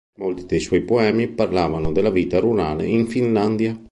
Molti dei suoi poemi parlano della vita rurale in Finlandia.